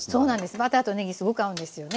バターとねぎすごく合うんですよね。